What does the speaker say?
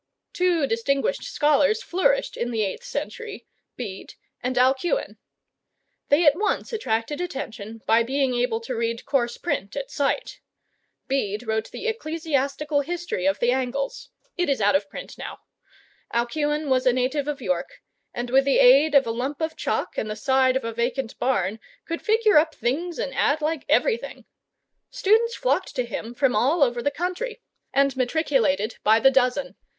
Two distinguished scholars flourished in the eighth century, Bede and Alcuin. They at once attracted attention by being able to read coarse print at sight. Bede wrote the Ecclesiastical History of the Angles. It is out of print now. Alcuin was a native of York, and with the aid of a lump of chalk and the side of a vacant barn could figure up things and add like everything. Students flocked to him from all over the country, and matriculated by the dozen.